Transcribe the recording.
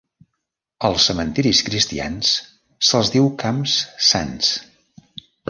Als cementiris cristians se'ls diu camps sants.